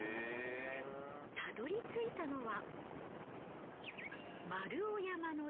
たどり着いたのは。